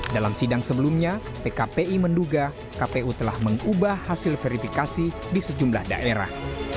dalam sidang sebelumnya pkpi menduga kpu telah mengubah hasil verifikasi di sejumlah daerah